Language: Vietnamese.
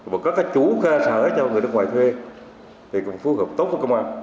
và các chủ cơ sở cho người nước ngoài thuê thì cũng phù hợp tốt với công an